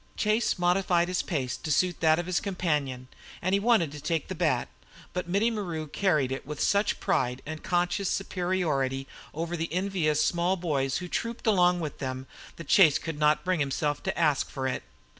Chase modified his pace to suit that of his companion, and he wanted to take the bat, but Mittie Maru carried it with such pride and conscious superiority over the envious small boys who trooped along with them that Chase could not bring himself to ask for it.